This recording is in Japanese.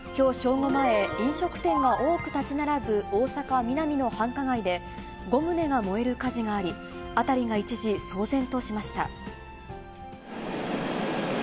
午前、飲食店が多く建ち並ぶ大阪・ミナミの繁華街で５棟が燃える火事があり、辺りが一時騒然としました。